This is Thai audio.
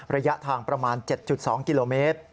ระยะทางประมาณ๗๒กิโลเมตร